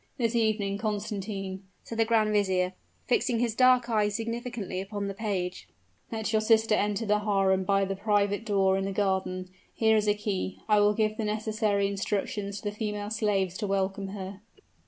"This evening, Constantine," said the grand vizier, fixing his dark eyes significantly upon the page, "let your sister enter the harem by the private door in the garden. Here is a key; I will give the necessary instructions to the female slaves to welcome her."